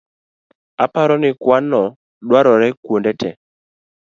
Aparo ni kuano dwarore kuonde tee